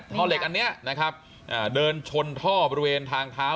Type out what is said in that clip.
ท่อเหล็กอันนี้นะครับเดินชนท่อบริเวณทางเท้า